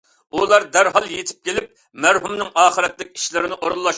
ئۇلار دەرھال يېتىپ كېلىپ مەرھۇمنىڭ ئاخىرەتلىك ئىشلىرىنى ئورۇنلاشتۇردى.